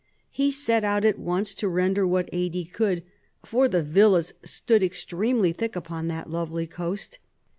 He set out at once to render what aid he could; "for the villas stood extremely thick upon that lovely coast."